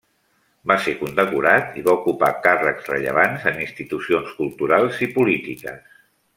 Va ser condecorat i va ocupar càrrecs rellevants en institucions culturals i polítiques.